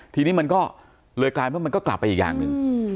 ทีนี้มันก็เลยกลายเป็นว่ามันก็กลับไปอีกอย่างหนึ่ง